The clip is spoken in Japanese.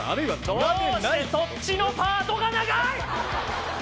どうしてそっちのパートが長い！